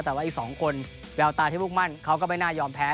แต่ว่าอีก๒คนแววตาที่มุ่งมั่นเขาก็ไม่น่ายอมแพ้